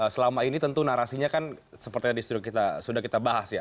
selama ini tentu narasinya kan seperti yang sudah kita bahas ya